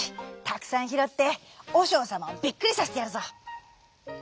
たくさんひろっておしょうさまをびっくりさせてやるぞ！」。